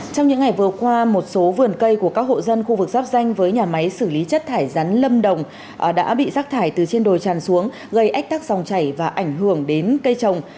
trong những ngày vừa qua một số vườn cây của các hộ dân khu vực giáp danh với nhà máy xử lý chất thải rắn lâm đồng đã bị rác thải từ trên đồi tràn xuống gây ách tắc dòng chảy và ảnh hưởng đến cây trồng